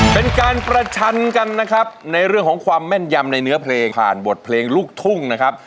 เป็นการประชันกันนะครับในเรื่องของความแม่นยำในเนื้อเพลงผ่านบทเพลงลูกทุ่งนะครับ